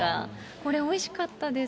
これおいしかったです。